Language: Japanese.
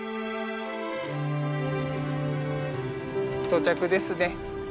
到着ですね。